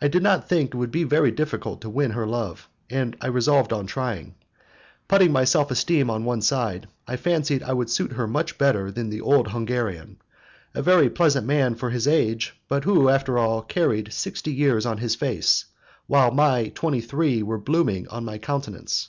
I did not think it would be very difficult to win her love, and I resolved on trying. Putting my self esteem on one side, I fancied I would suit her much better than the old Hungarian, a very pleasant man for his age, but who, after all, carried his sixty years on his face, while my twenty three were blooming on my countenance.